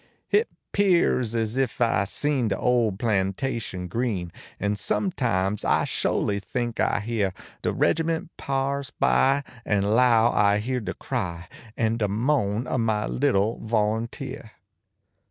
Hit pears es if 1 seen de ole plantation green, Kn sometimes I sho ly think I hear De regiment pars by, en low I hear de cry KM de moan ob my little volunteer.